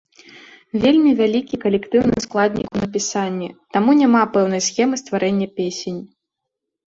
Вельмі вялікі калектыўны складнік у напісанні, таму няма пэўнай схемы стварэння песень.